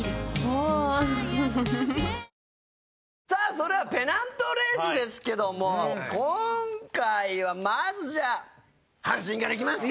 それではペナントレースですけども今回はまずじゃあ阪神からいきますか。